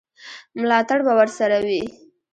ملاتړ به ورسره وي.